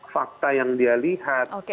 fakta yang dia lihat